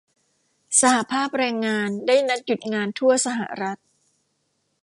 สหภาพแรงงานได้นัดหยุดงานทั่วสหรัฐ